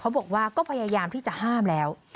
บอกว่าก็พยายามที่จะห้ามแล้ว